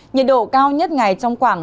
nhiệt độ cao nhất ngày trong khoảng